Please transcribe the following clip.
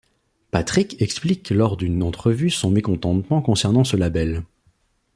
Patric explique lors d'une entrevue son mécontentement concernant ce label.